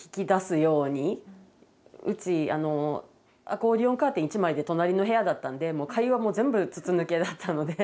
うちアコーディオンカーテン１枚で隣の部屋だったんでもう会話も全部筒抜けだったので。